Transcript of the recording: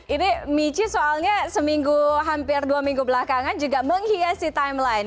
ini michi soalnya seminggu hampir dua minggu belakangan juga menghiasi timeline